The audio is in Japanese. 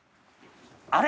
あれ？